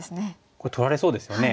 これ取られそうですよね。